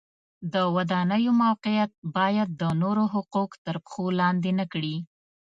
د ودانیو موقعیت باید د نورو حقوق تر پښو لاندې نه کړي.